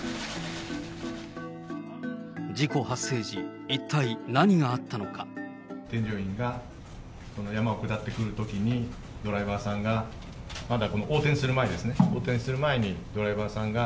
事故発生時、一体、添乗員が山を下ってくるときに、ドライバーさんが、まだ横転する前ですね、横転する前に、ドライバーさんが、